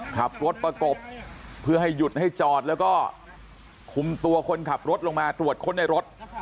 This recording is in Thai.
ขับรถประกบเพื่อให้หยุดให้จอดแล้วก็คุมตัวคนขับรถลงมาตรวจค้นในรถ